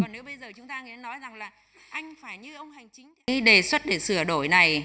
nếu bây giờ chúng ta nghĩ nói rằng là anh phải như ông hành chính đề xuất để sửa đổi này